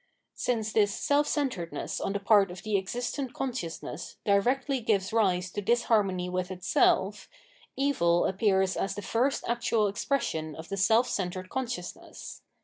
Since this self centredness on the part of the existent consciousness directly gives rise to disharmony with itself, Evil appears as the first actual expression of the self centred consciousness.